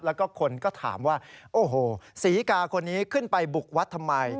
แล้วก็คนก็ถามว่าโอ้โหศรีกาคนนี้ขึ้นไปบุกวัดทำไม